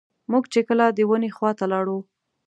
موږ چې کله د ونې خواته لاړو.